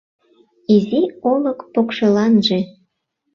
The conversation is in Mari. Изи олык покшеланже